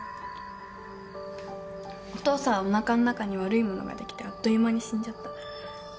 お父さんは、おなかの中に悪いものができてあっという間に死んじゃった。